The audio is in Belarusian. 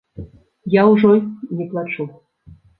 Я ўжо не плачу.